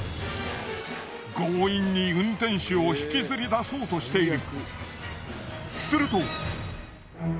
強引に運転手を引きずり出そうとしているすると。